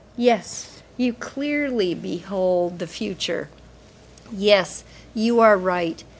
Yes, you clearly behold the future, yes, you are right.